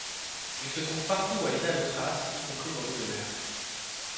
Il se trouve partout à l'état de traces, y compris dans l'eau de mer.